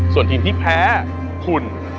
ส่วนทีมที่แพ้คุณ